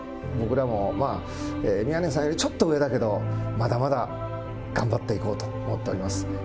僕らも宮根さんよりちょっと上だけど、まだまだ頑張っていこうと思っております。